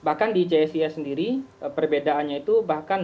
bahkan di jscs sendiri perbedaannya itu bahkan dua belas